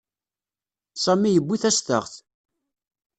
Sami yewwi tastaɣt.